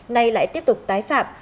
nay lại tiếp tục tái phạm